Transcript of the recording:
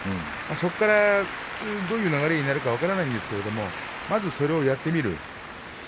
そこからどういう流れになるか分かりませんけどまず、それをやってみる。